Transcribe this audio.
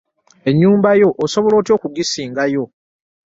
Ennyumba yo osobola otya okugisingayo?